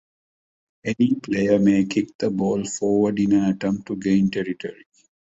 Any player may kick the ball forward in an attempt to gain territory.